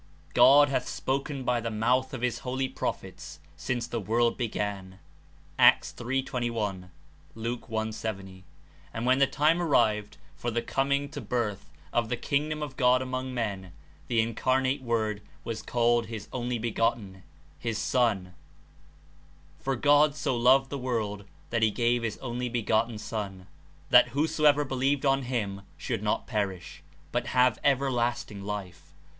''God hath spoken by the mouth of his holy prophets since the ivorld be gan.'' (Acts 3. 21 : Lu. I. 70), and when the time arrived for the coming to birth of the Kingdom of God among men, the Incarnate Word was called his "Only begotten," his "Son"— '^For God so loved the world that he gave his only begotten Son, that who soever believed on him should not perish, but have everlasting life.''